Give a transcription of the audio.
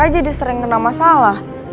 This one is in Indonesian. jadi sering kena masalah